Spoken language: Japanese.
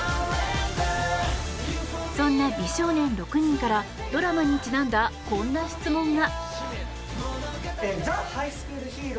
そんな美少年６人からドラマにちなんだこんな質問が。